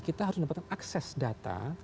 kita harus mendapatkan akses data